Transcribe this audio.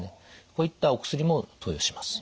こういったお薬も投与します。